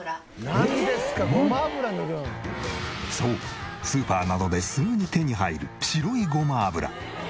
そうスーパーなどですぐに手に入る白いごま油。